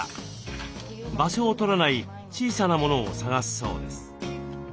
場所を取らない小さなモノを探すそうです。